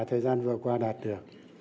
thời gian vừa qua đạt được